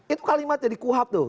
itu kalimatnya di kuhab tuh